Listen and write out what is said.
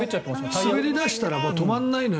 滑り出したらもう止まらないのよ。